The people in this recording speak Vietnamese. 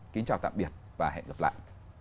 kính chào tạm biệt và hẹn gặp lại